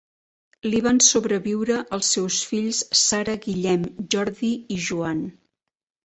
Li van sobreviure els seus fills Sara, Guillem, Jordi i Joan.